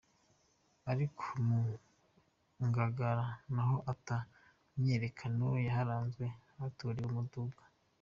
Ariko mu Ngagara n’aho ata myiyerekano yaharanzwe haturiwe umuduga.